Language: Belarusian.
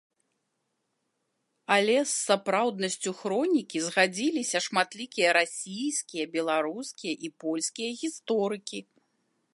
Але з сапраўднасцю хронікі згадзіліся шматлікія расійскія, беларускія і польскія гісторыкі.